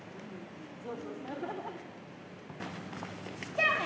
じゃあね。